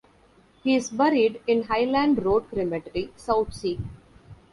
He is buried in Highland Road Cemetery, Southsea.